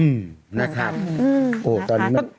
อืมนะครับ